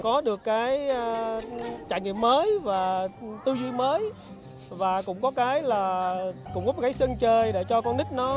có được cái trải nghiệm mới và tư duy mới và cũng có cái là cũng có cái sân chơi để cho con nít nó